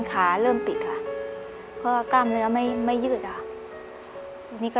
ขาเริ่มติดค่ะเพราะว่ากล้ามเนื้อไม่ไม่ยืดอ่ะอันนี้ก็